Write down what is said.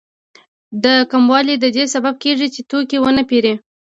دا کموالی د دې سبب کېږي چې توکي ونه پېري